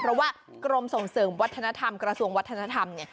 เพราะกรมส่งเสริมวัฒนธรรม